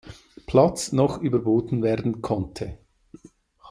Platz noch überboten werden konnte.